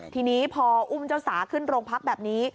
ทีนี้พออุ้มเจ้าสาขึ้นโรงพักแบบนี้